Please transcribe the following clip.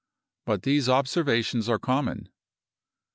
But these observations are common.